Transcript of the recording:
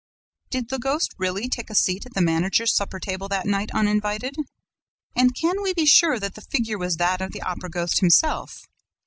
Did the ghost really take a seat at the managers' supper table that night, uninvited? And can we be sure that the figure was that of the Opera ghost himself?